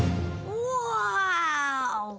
うわ！